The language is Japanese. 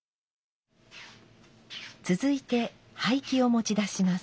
続いて灰器を持ち出します。